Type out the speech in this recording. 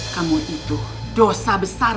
kamu itu dosa besar